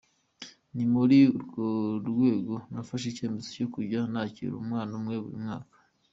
Ni muri urwo rwego nafashe icyemezo cyo kujya nakira umwana umwe buri mwaka.